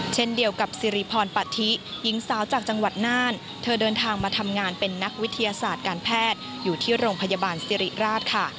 เช่นเดียวกับสิริพรปะทิหญิงสาวจากจังหวัดน่านเธอเดินทางมาทำงานเป็นนักวิทยาศาสตร์การแพทย์อยู่ที่โรงพยาบาลสิริราชค่ะ